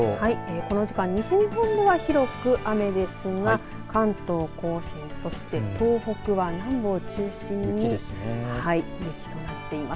この時間西日本では広く雨ですが関東甲信そして東北は南部を中心に雪となっています。